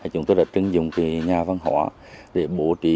chúng tôi đã trưng dùng nhà văn hóa để bố trí